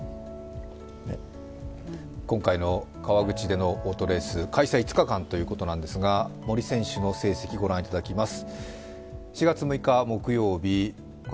今回の川口でのオートレース、開催５日間ということなんですが森選手の成績、ご覧いただきます。